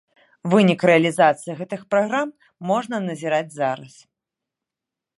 Вынік рэалізацыі гэтых праграм можа назіраць зараз.